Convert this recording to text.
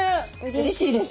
うれしいです。